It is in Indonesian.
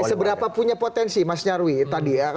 seberapa punya potensi mas nyarwi tadi ya